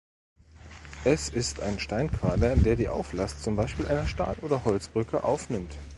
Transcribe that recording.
Es ist ein Steinquader, der die Auflast zum Beispiel einer Stahl- oder Holzbrücke aufnimmt.